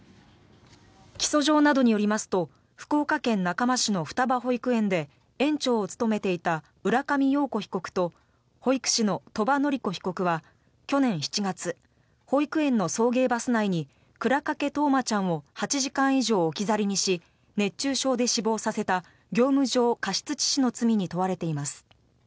起訴状などによりますと福岡県中間市の双葉保育園で園長を務めていた浦上陽子被告と保育士の鳥羽詞子被告は去年７月保育園の送迎バス内に倉掛冬生ちゃんを８時間以上置き去りにし熱中症で死亡させた業務上過失致死の罪に問われています。